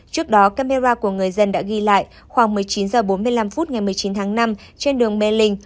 trước đó camera của người dân đã ghi lại khoảng một mươi chín h bốn mươi năm phút ngày một mươi chín tháng năm trên đường mê linh